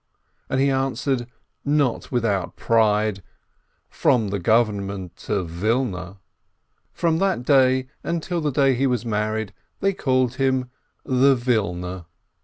and he answered, not without pride, "From the Government of Wilna" — from that day until the day he was married, they called him "the Wilner."